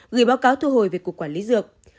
gửi báo cáo thu hồi về cục quản lý dược